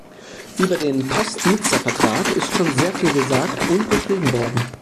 Über den Post-Nizza-Vertrag ist schon sehr viel gesagt und geschrieben worden.